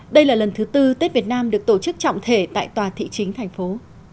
đây là lần thứ tư tết việt nam được tổ chức trọng thể tại tòa thị chính thành phố